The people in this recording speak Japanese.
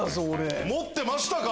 持ってましたか！